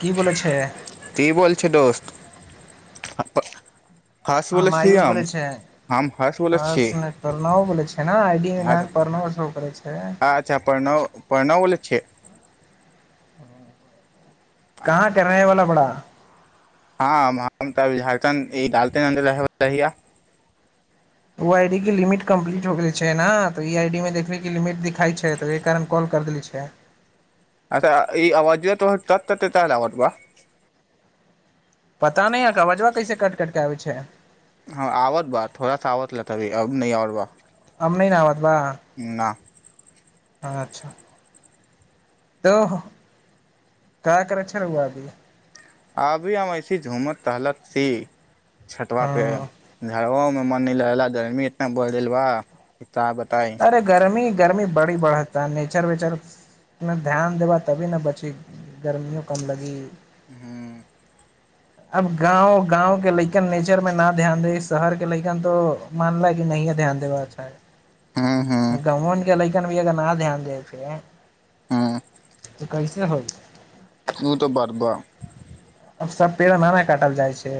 की बोलै छै की बोल छै दोस्त अप हम आयुष बोलै छेए हर्ष बोलै आ छी सुनै प्रणव बोलै छै ने आइ डी न प्रणव सो करै छै अच्छा प्रणव प्रणव बोलै छै ह कहाँ कर रहे ह वाला बड़ा आ हँ हम तऽ झारखण्ड ईडालते न रहै बलै हिया ओ आई डी के लिमिट कम्प्लीट हो गेलै छै ने तऽ ई आई डीमे देखबैके लिमिट दिखाइ छै तऽ ओहि कारण कॉल करि देलै छै अच्छा ई आवाजिया तऽ तोहर कट कट के आबत बा पता नहि अवजबा कैसे कट कटके आबै छै हँ आवत बा थोड़ा सा आवत लताभी अब न आवत बा क नहि आबत ना अच्छा तो का करेकक्षन हुआ अभी अभी हम एइसी झूमत तहलत सी छटवआ हँ पे झड़ग मे मन नहि लागल गर्मी इतना बढ़दलवा त बताए अरे गर्मी गर्मी बड़ी बढ़ता नेचर वेचर ने ध्यान देबा तभी ने बची गर्मियो कम लगी हुँ अब गाँव गाँव के लकन नेचर मे ना ध्यान दे शहर के लकन त मानलाै कि नहि ह ध्यान देबा अच्छा हूँ हूँ गवन गेलय भी अगर न ध्यान दे फे हुँ तऽ कैसे हो तु तऽ बरब आब सब पेड़ नान काटल जाइ छै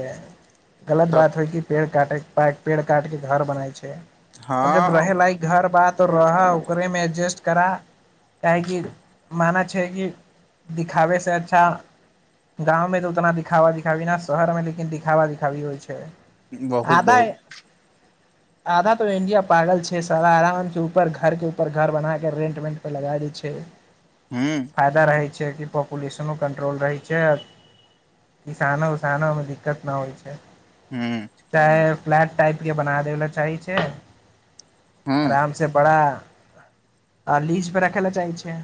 गलत सब बात होइ कि पेड़ काटे के पट पेड़ काट के घर बनाय छै अब जब हँ रह लाइक घर बात रह ओकरेमे एडजेस्ट करा काहेक माना छै कि दिखाबै से अच्छा गाँवमे उतना दिखावा दिखाबी ने शहर मे लेकिन दिखावा दिखाबी होइ छै बहुत आधा बहुत आधा तो इंडिया पागल छै सारानके ऊपर घरके ऊपर घर बनााक रेंट वेंटपर लगा दै छै हूँ फायदा रहै कि पॉपुलनो कन्ट्रोल रहै छै किसान सानमे दिक्कत न होइ छै हुँ चाहे फ्लैट टाइपके बना दै लए चाहै छै हूँ आराम से पड़ा आ लीज पड़ा खेल ला चाह छै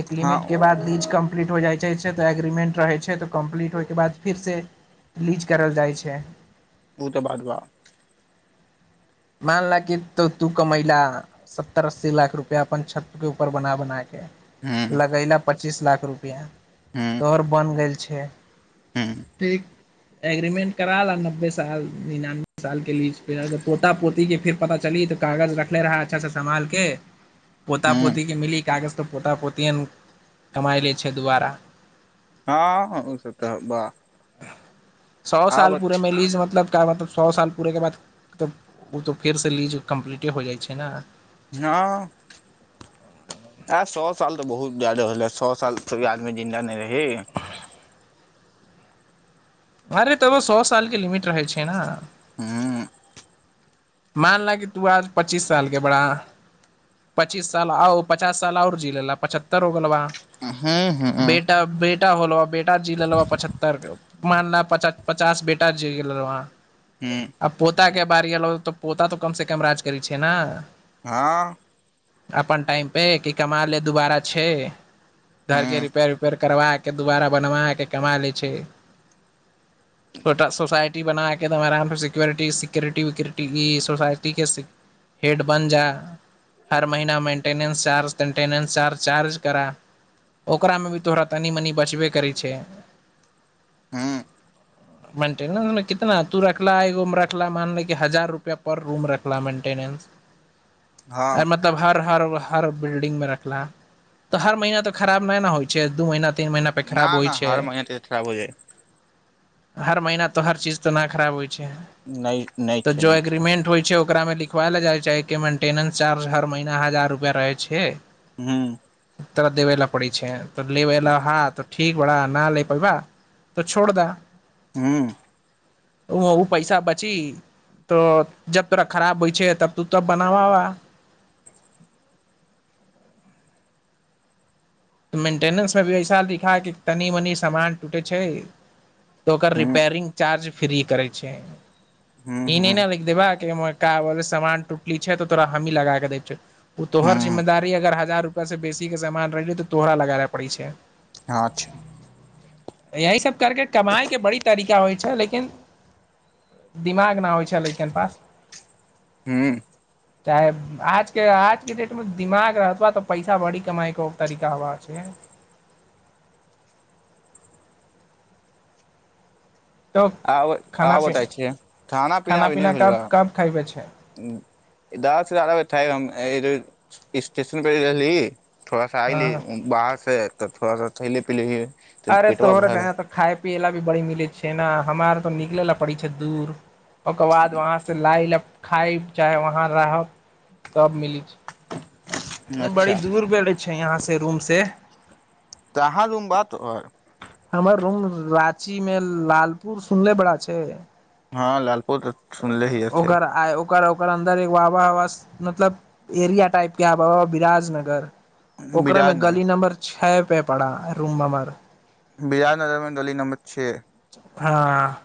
एक लिमिट हँ के बाद नीज कम्पनी कम्पलीट हो जाइ छै तऽ एग्रीमेन्ट रहै छै तऽ कम्प्लीट होइके बाद फिर से लीज करल जाइ छै ओ तऽ बाद बाह मानला कि त तू कमैला सत्तर अस्सी लाख रुपआ अपन छत के ऊपर बना बनाय हूँ लगैला पर पच्चीस लाख रुपया हूँ तोहर बनि गेल छै छै हूँ ठीक एग्रीमेंट करा ला नब्बे साल निनानबे साल के लि इपर अग पोता पोतीके फेर पता चली तऽ कागज रखले रहै अच्छासँ सम्भालके पोता हूँ पोती के मिली कागज तऽ पोता पोतिए नहि कमाइ लै छै दुबारा हँ ओसभ तऽ बाह सौ साल पूरेमे लीज मतलब का मतलब सए साल पुरय के बाद तऽ ओ तऽ फेरसँ लीज कम्प्लीटे हो जाइ छै ने ह आ सौ साल तऽ बहुत ज्याद होले सौ साल आदमी जिन्दा नहि रह हे अरे तऽ सौ सालके लिमिट रहै छै ने हुँ मान ल क तू आज पच्चीस साल के बड़ा पच्चीस साल आ पचास साल आओर जी लेल ला पचहत्तर हो गेल बा हुँ हुँ बेटा बेटा होलो बे - जी लहो पचहत्तर मानला पच पचास बेटा जे गेल रह वहाँ हुँ बेटा कें बारि एलो तऽ पता त कम से कम राज कर छै ने हँ अपन टाइम पे कि कमा ले दुबारा छै घर के हूँ रिपेयर उपेयर करवा के दुबारा बनवा के कमा ले छै छोटा सोसाायटी बना के आराम से सिक्योरिटी सिक्यरिटी विक्यरिट ई सोसाइटीके हेड बनि जा हर महना मेन्टेनेंस चार्ज तेन्टेनेन्स चारज चार्ज करह ओकरामे भी तोराा तनी मनि बचबे करै छै हुँ मनते कितना तू रखला एगो रखला मानले क हजार रुपैआ पर रूम रखला मेन्टेनेन्स हँ मतलब हर हर हर बिल्डिंग मे रखला तऽ हर महीना तऽ खराब नहि ने होइ छै दू महीना त न न हर महना त खराब हो जाए हर महीना तो हर चीज तऽ न खराब होइ छै नहि नहि तऽ छै जो नहि छै एग्रीमेंट होइ छै ओकरामे लिखबैलए जाइ छै कि मेन्टेनेंस चार्ज हर महिीना हजार रुपआ रहै छै हू तरह देबै लए पड़ै छै तऽ लेबै लए हा ठीक बलाा न लै पैबा तऽ छोड़ द हुँ ओ ओ पैसा बची तो जब तोरा खराब होइ छै तब तू तब बनाव हा मेन्टेनेंसमे भी वइसा लिखाइ कि तनि मनि सामान टूटै छै त ओकर हूँ रिपेयरिंग चार्ज फ्री करै छै हूँ इ नै हूँ हूँ न लिख देबा की हमर सामान टूटली छै तऽ तोरा हमही लगा के दै छियौ ओ तोहर हँ जिम्मेदारी अगर हजार रुप से बेसीे सामान रहै छौ तो तोहरा लगारा पड़ै छै अच्छा यही सभ करि कऽ कमाइके बड़ी तरीका होइ छै लेकिन दिमाग नहि होइ छै लैकन पास हू चाहे आजके आजके डेट मे दिमाग रहब तऽ पैसा बड़ी कमाई क तरीका चावा छै तो आब खाना आब त पीना छिय खाना पीना अभी नहि भेल कब कब खयबे छै जादास से जादा बैठ हम स्टेशन पर रहली थोड़ा सा अइली ह बाहर से तऽ थोड़ा सा थैलि पीलही अरे तोहर भ‌ए तऽ खाय पिला भी बड़ी मिलै छै ने हमार तऽ निकले ल पड़ी छै दूर ओकर बाद वहाँ से लाइल खाय चाहे वहाँ रहब तब मिलै छै बड़ी अच्छा दूर प रहै छै यहाँसँ रूमसें कहाँ रूम बात तोहर हमर रूम राची मे लालपुर सुनले बड़ा छै हँ लालपुर सुनले हीये छै ओकर आ ओकर ओकर अन्दर आब हवा मतलब एरिया टाइप के आब हा बिराज नगर ओकरामे बिराज गली नगर नंबर छैओ पे पड़ा रूम नम्बर बियादनगरमे दली नम्बर छे हँ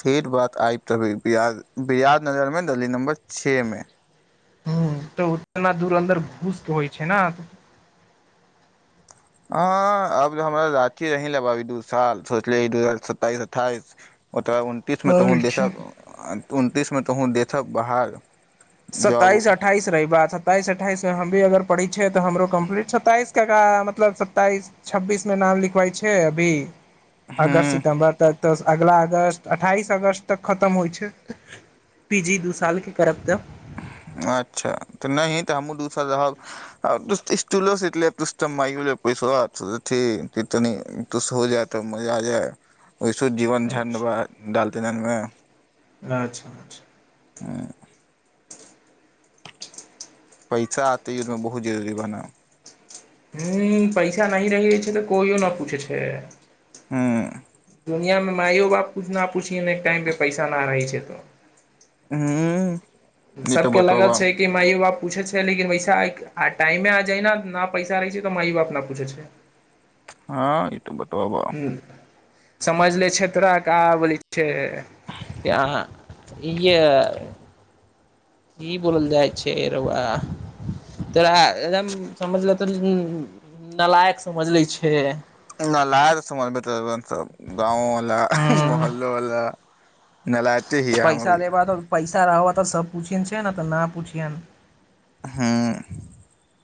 ठीत बात आबि तब बि बियाद नगरमे गली नंबर छे मे ह तऽ उतना दूर अन्दर घूस होइ छै ने हँ अब हमरा अथी रही लेबभी दू साल सोचले दू हजार सताइस अठाइस ओतऽ उनतीसमे तऽ अच्छा देशक उनतीस मे तोहूँ देथब बाहर जॉब सताइस अठाइस रही बात सताइस अठा अठ्ठाइस हम भी अगर पढ़ै छियै तऽ हमरो कम्प्लीट सत्ताइस का मतलब सत्ताइस छब्बीसमे नाम लिखबै छै अभी अगस्त हूँ सितम्बर तऽ तऽ अगिला अगस्त अठाइस अगस्त तक खतम होइ छै पी जी दू सालके करब तब अच्छा तऽ नहि तऽ हमहूँ दूसर रहब स्टूलो ले तऽ मो ले पैसो तनी तुस हो जाय तऽ मजा आ जाय ओहिस जीवन झनड बा अच्छा डाल दना नुै अच्छा अच्छा पैसा आते यमे बहुत जरूरी बना ह्म पैसा नहि रह छै तऽ कोनो न पूछे छै हूँ दुनिया में माययो बाप कुछ न पुछिय टाइम पे पैसा न रहै छै तऽ हुँ सबके लगत छै कि मायो बाप पूछै छै लेकिन वैसा टाइम मे आ जाइ न न पैसा रहै छै तऽ माय बाप ने पूछै छै हँ ई त बताब भ समझ ले छै तोरा क बोलय से यह ईए ई बोलल जाइ छै रउआ तोरा एकदम समझल त नालयक समझ ले छै न ल त समान भतर गाँववला महलवला पैसा दे बाद पैसा रहो तऽ सब पुछिन छै ने तऽ नहि पुछियैनि हुँ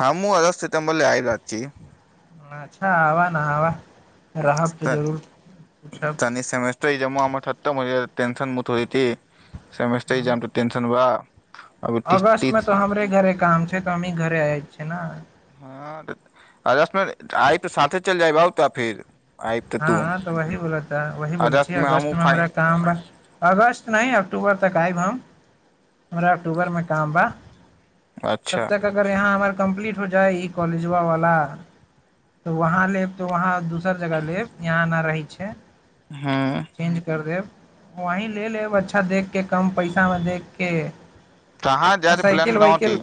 हँ मु अधस सितेम्बर ल आइ रहल छी अच्छा आ ब ना आबा त तनी सेमेस्टर जे हमर खत्म भ जायत टंशन मुथइट होई समस्ते जाम त टेंशन बा अभी तीस अगस्त में तीस तो हमरे घरे काम छै तऽ हमी घर छै ने हँ त अगस्त में आइ तऽ साथे चल जाय ब तऽ फेर हँ तऽ वही बोलता वह बोलै छी अगस्त मे हमरा काम अगस्त नहि अक्टूबर तक आएब हम हमरा अक्टूबरमे काम बा अच्छा तब तक अगर यहाँ हमर कम्प्लीट हो जाइ ई कॉलेजवा वाला तऽ वहाँ लेब तऽ वहाँ दूसर जगह लेब यहाँ नहि रहै छै हूँ चेंज कर देब वही ले लेब अच्छा देख के कम पैसा मे देखके कहाँ जााद प्लान बनाउ ती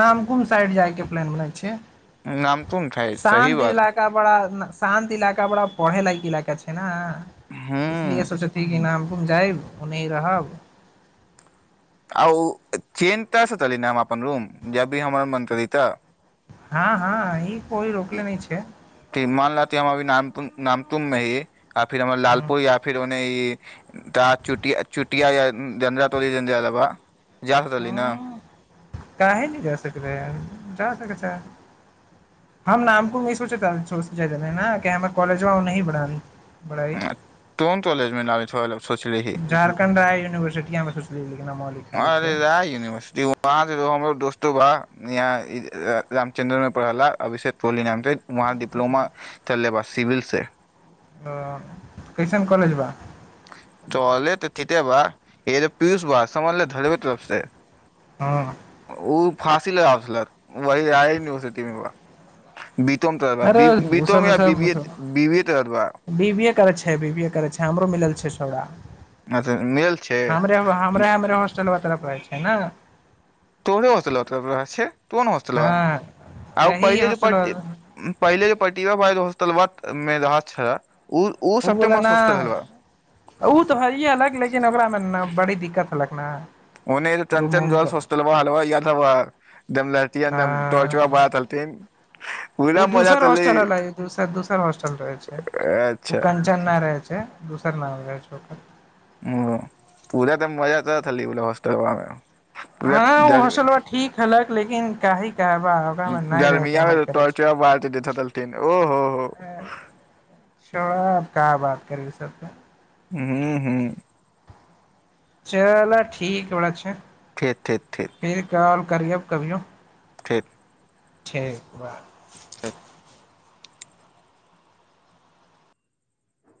नाम कुन साइड जाय के प्लान बनै छै नाम तू ने खाय सही शान्त बात इलाका बड़ा शान्त इलाका कपड़ा पढ़े लागक इलाका छै ने हूँ इसलिए सोचैत ती कि नाम जाएब ओने रहब आ ओ चेज त चली ने हम अपन रूम जब भी हमर मन ती तऽ हँ हँ ई कोइ रोकले नहि छै ह्म मान लति हम अभी नामप नाम तुममे ही आ फिर हमर ह लालपुर या फिर त चु चुटिया जा तोल जिया देबा जासल ने काहे न जा सकलै हन जा सक छै हम नामपुर में इ सोचल छलह हमर कॉलेजबा आनाही बढ़ा तों ताॅलेज में छल सोचलिही झारखण्ड राय यूनिवर्सिटी मे सोचलियै लेकिन हम ओली खाली अरे छै रा यूनिवर्सिटी वहाँ से हमो दोस्तो बा यहाँ रामचन्द्रन में पढ़लाा अभिषेक कोहली नाम से वहा डिप्लोमा चलले बा सिविल से ओ कैसन कॉलेज बा कालेज तऽ ठिते बा एदो पीयूष बा समझले धरबे तलफ से हँअ् ओ फाँसी लगावय छलाह वहि आ नवस तीमे ब बीतम अरे ओ सब वीडियोग्राफी सब विवो बी बी ए करै छै बीबीए करै छैय हमरो मिलल छैय छौड़ा अच्छा मिलल छै हमरे हमरे हमरे हॉस्टलवा तरफ रहैछैइ हाँ तोहरो होतलत छैय कोउन हॉस्टलबा हँ आ यही पहिले जे प हॉस्टल पहिले जे पटी भ हॉस्टलबा मेदह छ ओ बाला ना ओ तऽ हैये अहलक लेकिन ओकरामे ने बड़ी दिक्कत हलक हंअ् ओने चंचन जलत हॉस्टलबा हय तबा एकदम रतिया टोर्च हँ बारतहथिन पुरा ओ मजा दोसर लेय हॉस्टल हलै दोसर दोसर हॉस्टल रहै छै अच्छा सर नाम राज झकरल ओ पूरा तऽ मजा तोहें खाली लेल होस्टलबामे [unintelligible] हँ ओ होस्टलबा ठीक हलक लेकिन काहे गर्मियांमे छै टाॅर्चबा बारकेँ देथैइ छलथिन ओ हो हो करबै सभकेँ हूँ हूँ चल ठीक बरा छै ठीक ठीक ठीक करिहैथ कभियो ठीक ठीक बा ठीक